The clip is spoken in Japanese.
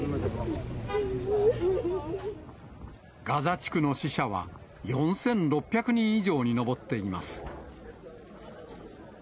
ガザ地区の死者は４６００人以上に上っています。